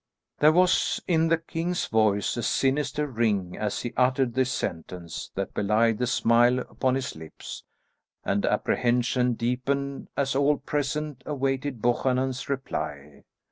There was in the king's voice a sinister ring as he uttered this sentence that belied the smile upon his lips, and apprehension deepened as all present awaited Buchanan's reply.